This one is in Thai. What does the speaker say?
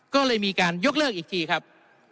ก็เลยมีการยกเลิกอีกทีครับ